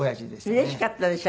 うれしかったでしょ？